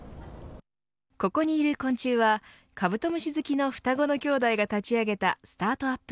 ここにいる昆虫はカブトムシ好きの双子の兄弟が立ち上げたスタートアップ